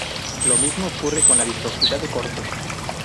Lo mismo ocurre con la viscosidad de corte.